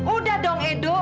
udah dong edo